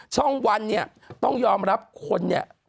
ช่องวันเนี่ยต้องยอมรับคนเนี่ย